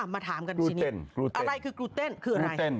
มาถามกันชนิดนี้อะไรคือกลูเต้นคืออะไรกลูเต้น